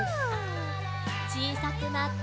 ちいさくなって。